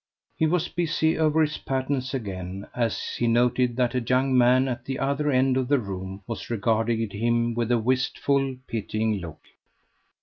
He was busy over his patterns again as he noted that a young man at the other end of the room was regarding him with a wistful, pitying look.